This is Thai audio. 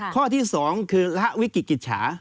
ข้อที่๒คือละวิกฤตกิจฉา